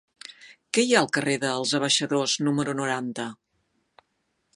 Què hi ha al carrer dels Abaixadors número noranta?